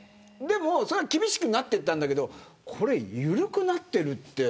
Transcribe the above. それは厳しくなったんだけどこれが緩くなってるって。